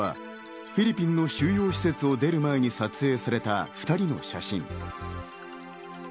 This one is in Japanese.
これはフィリピンの収容施設を出る前に撮影された２人の写真。